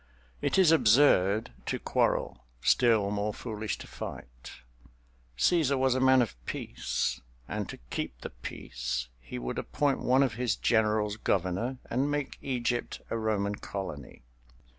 It is absurd to quarrel—still more foolish to fight. Cæsar was a man of peace, and to keep the peace he would appoint one of his generals governor, and make Egypt a Roman colony.